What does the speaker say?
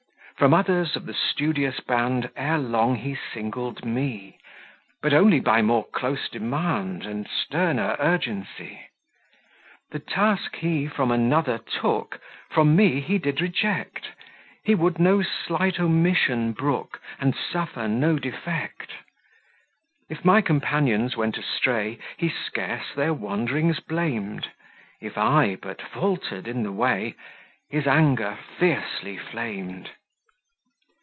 From others of the studious band, Ere long he singled me; But only by more close demand, And sterner urgency. The task he from another took, From me he did reject; He would no slight omission brook, And suffer no defect. If my companions went astray, He scarce their wanderings blam'd; If I but falter'd in the way, His anger fiercely flam'd.